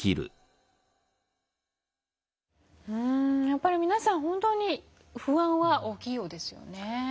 やっぱり皆さん本当に不安は大きいようですよね。